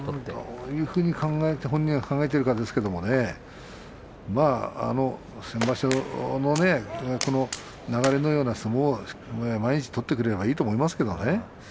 どういうふうに本人が考えているかでしょうけれども先場所の流れのような相撲それを毎日取ってくれればいいと思いますけれどもね。